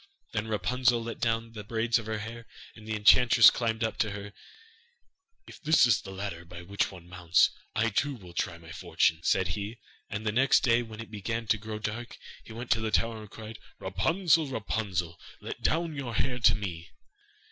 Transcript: Then Rapunzel let down the braids of her hair, and the enchantress climbed up to her. 'If that is the ladder by which one mounts, I too will try my fortune,' said he, and the next day when it began to grow dark, he went to the tower and cried: 'Rapunzel, Rapunzel, Let down your hair to me.